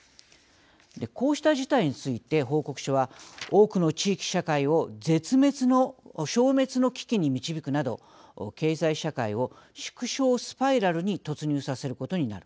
こうした事態について報告書は多くの地域社会を消滅の危機に導くなど経済社会を縮小スパイラルに突入させることになる。